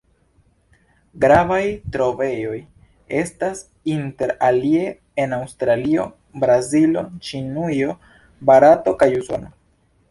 Gravaj trovejoj estas inter alie en Aŭstralio, Brazilo, Ĉinujo, Barato kaj Usono.